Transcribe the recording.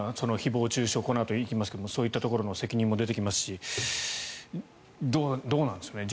誹謗・中傷、このあとやりますがそういったところの責任も出てきますしどうなんですかね。